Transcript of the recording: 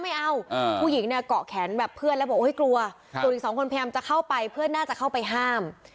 ไม่เอาผู้หญิงเนี่ยเกาะแขนแบบเพื่อนแล้วบอกกลัวส่วนอีกสองคนพยายามจะเข้าไปเพื่อนน่าจะเข้าไปห้าม